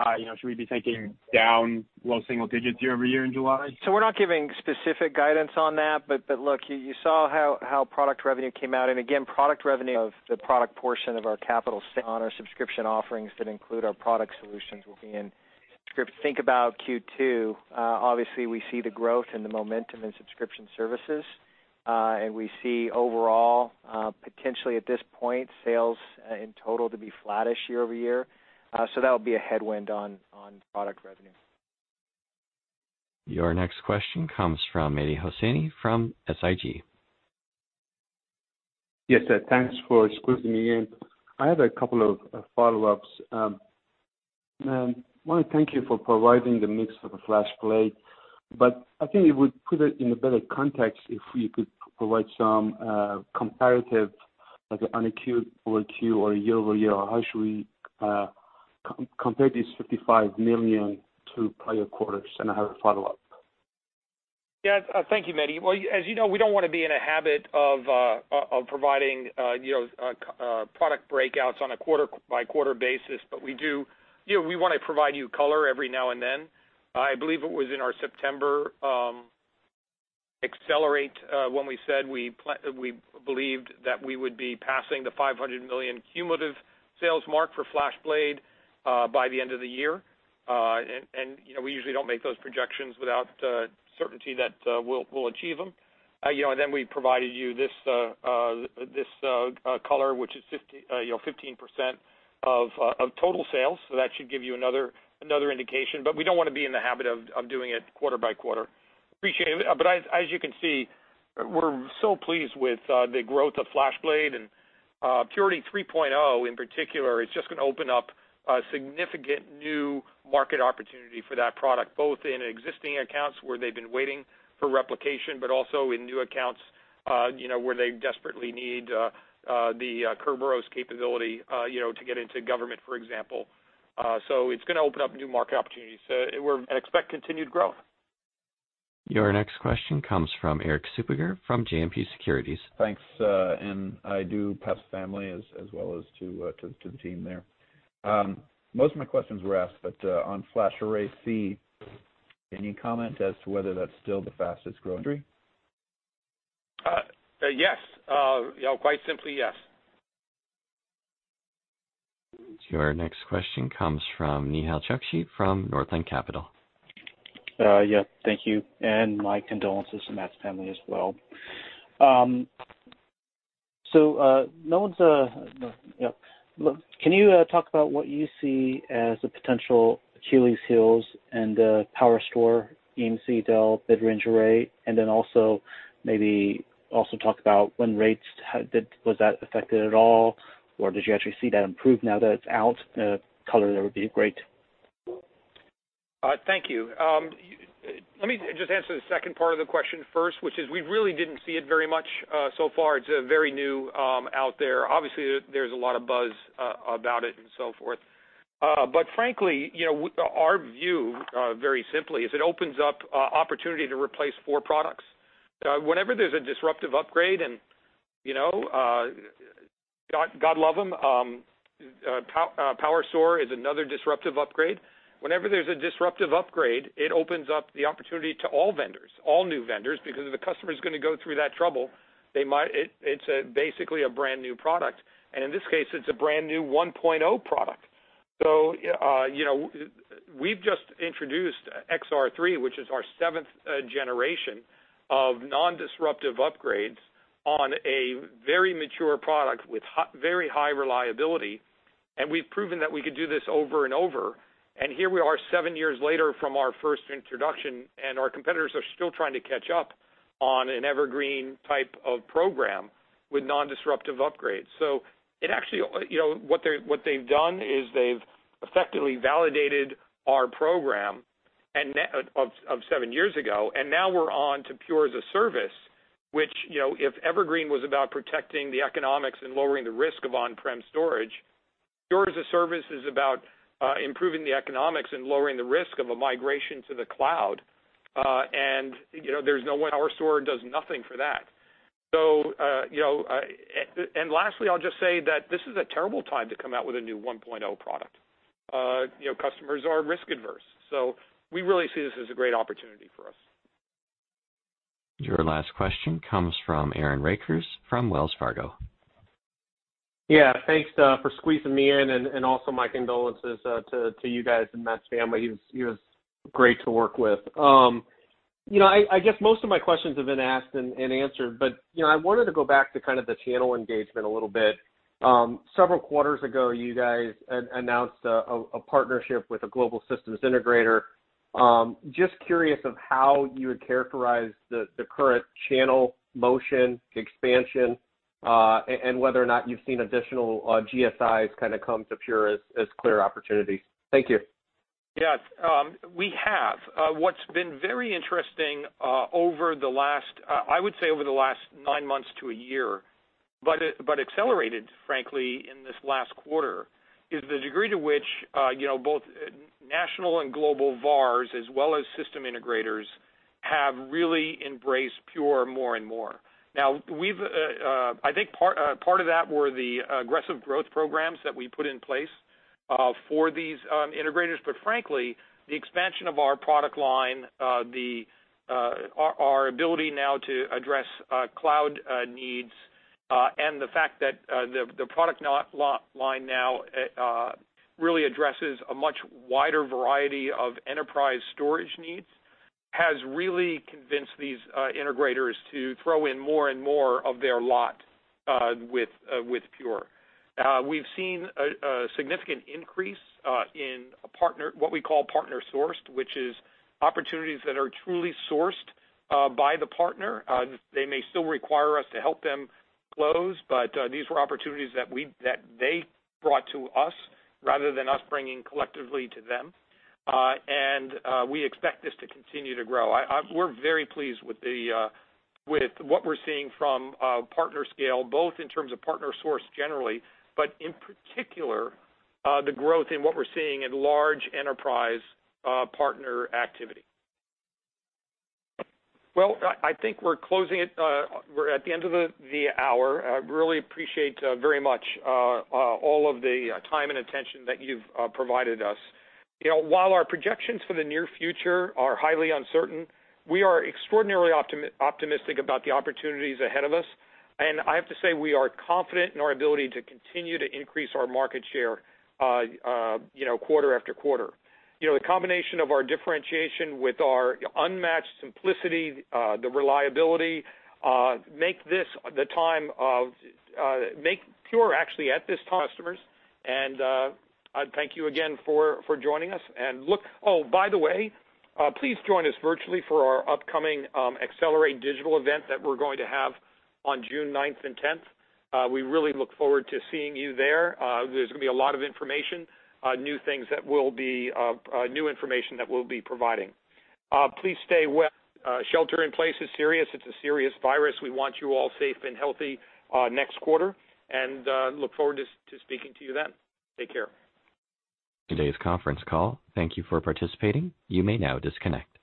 Should we be thinking down low single digits year-over-year in July? We're not giving specific guidance on that, but look, you saw how product revenue came out. Again, product revenue of the product portion of our capital on our subscription offerings that include our product solutions will be in script. Think about Q2. Obviously, we see the growth and the momentum in subscription services. We see overall, potentially at this point, sales in total to be flattish year-over-year. That'll be a headwind on product revenue. Your next question comes from Mehdi Hosseini from SIG. Yes, thanks for squeezing me in. I have a couple of follow-ups. I want to thank you for providing the mix of the FlashBlade, I think it would put it in a better context if we could provide some comparative, like on a Q-over-Q or year-over-year, how should we compare this $55 million to prior quarters? I have a follow-up. Yes. Thank you, Mehdi. Well, as you know, we don't want to be in a habit of providing product breakouts on a quarter-by-quarter basis. We want to provide you color every now and then. I believe it was in our September Accelerate when we said we believed that we would be passing the $500 million cumulative sales mark for FlashBlade by the end of the year. We usually don't make those projections without certainty that we'll achieve them. We provided you this color, which is 15% of total sales. That should give you another indication. We don't want to be in the habit of doing it quarter by quarter. Appreciate it. As you can see, we're so pleased with the growth of FlashBlade, Purity 3.0 in particular is just going to open up a significant new market opportunity for that product, both in existing accounts where they've been waiting for replication, but also in new accounts where they desperately need the Kerberos capability to get into government, for example. It's going to open up new market opportunities. We expect continued growth. Your next question comes from Erik Suppiger from JMP Securities. Thanks. I do pass family as well as to the team there. Most of my questions were asked. On FlashArray//C, any comment as to whether that's still the fastest-growing? Yes. Quite simply, yes. Your next question comes from Nehal Chokshi from Northland Capital. Yes. Thank you, and my condolences to Matt's family as well. Can you talk about what you see as the potential Achilles heels and the PowerStore EMC, Dell mid-range array, and then also maybe also talk about win rates, was that affected at all, or did you actually see that improve now that it's out? Color there would be great. Thank you. Let me just answer the second part of the question first, which is we really didn't see it very much so far. It's very new out there. Obviously, there's a lot of buzz about it and so forth. Frankly, our view, very simply, is it opens up opportunity to replace four products. Whenever there's a disruptive upgrade, and God love them, PowerStore is another disruptive upgrade. Whenever there's a disruptive upgrade, it opens up the opportunity to all vendors, all new vendors, because if the customer's going to go through that trouble, it's basically a brand-new product. In this case, it's a brand-new 1.0 product. We've just introduced X R3, which is our seventh generation of non-disruptive upgrades on a very mature product with very high reliability, and we've proven that we could do this over and over. Here we are seven years later from our first introduction, our competitors are still trying to catch up on an Evergreen type of program with non-disruptive upgrades. What they've done is they've effectively validated our program of seven years ago, now we're on to Pure as-a-Service. Which, if Evergreen was about protecting the economics and lowering the risk of on-prem storage, Pure as-a-Service is about improving the economics and lowering the risk of a migration to the cloud. PowerStore does nothing for that. Lastly, I'll just say that this is a terrible time to come out with a new 1.0 product. Customers are risk-averse. We really see this as a great opportunity for us. Your last question comes from Aaron Rakers from Wells Fargo. Thanks for squeezing me in, and also my condolences to you guys and Matt's family. He was great to work with. I guess most of my questions have been asked and answered. I wanted to go back to the channel engagement a little bit. Several quarters ago, you guys announced a partnership with a global systems integrator. Just curious of how you would characterize the current channel motion expansion, and whether or not you've seen additional GSIs come to Pure Storage as clear opportunities. Thank you. Yes. We have. What's been very interesting, I would say over the last nine months to a year, but accelerated, frankly, in this last quarter, is the degree to which both national and global VARs, as well as system integrators, have really embraced Pure Storage more and more. I think part of that were the aggressive growth programs that we put in place for these integrators. Frankly, the expansion of our product line, our ability now to address cloud needs, and the fact that the product line now really addresses a much wider variety of enterprise storage needs, has really convinced these integrators to throw in more and more of their lot with Pure Storage. We've seen a significant increase in what we call partner-sourced, which is opportunities that are truly sourced by the partner. They may still require us to help them close, but these were opportunities that they brought to us rather than us bringing collectively to them, and we expect this to continue to grow. We're very pleased with what we're seeing from partner scale, both in terms of partner source generally, but in particular, the growth in what we're seeing in large enterprise partner activity. I think we're at the end of the hour. I really appreciate very much all of the time and attention that you've provided us. While our projections for the near future are highly uncertain, we are extraordinarily optimistic about the opportunities ahead of us. I have to say, we are confident in our ability to continue to increase our market share quarter after quarter. The combination of our differentiation with our unmatched simplicity, the reliability, make Pure actually at this time. Customers, and I thank you again for joining us. Oh, by the way, please join us virtually for our upcoming Accelerate Digital event that we're going to have on June 9th and 10th. We really look forward to seeing you there. There's going to be a lot of information, new information that we'll be providing. Please stay well. Shelter in place is serious. It's a serious virus. We want you all safe and healthy next quarter. Look forward to speaking to you then. Take care. Today's conference call, thank you for participating. You may now disconnect.